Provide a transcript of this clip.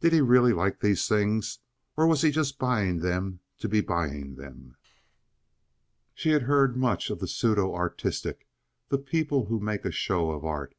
Did he really like these things, or was he just buying them to be buying them? She had heard much of the pseudo artistic—the people who made a show of art.